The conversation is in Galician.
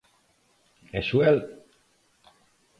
E Xoel.